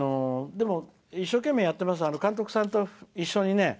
一生懸命やってます監督さんと一緒にね